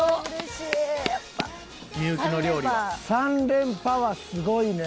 ３連覇はすごいね。